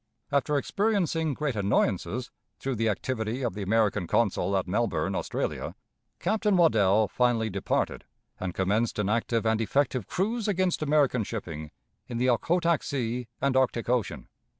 After experiencing great annoyances, through the activity of the American consul at Melbourne, Australia, Captain Waddell finally departed, and commenced an active and effective cruise against American shipping in the Okhotak Sea and Arctic Ocean.